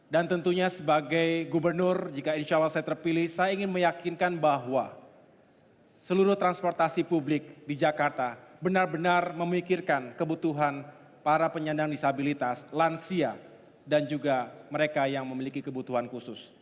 dan tentunya sebagai gubernur jika insya allah saya terpilih saya ingin meyakinkan bahwa seluruh transportasi publik di jakarta benar benar memikirkan kebutuhan para penyandang disabilitas lansia dan juga mereka yang memiliki kebutuhan khusus